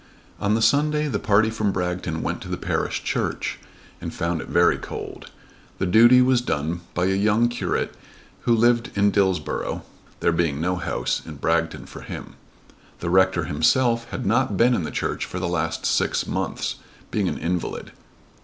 On the Sunday the party from Bragton went to the parish church, and found it very cold. The duty was done by a young curate who lived in Dillsborough, there being no house in Bragton for him. The rector himself had not been in the church for the last six months, being an invalid.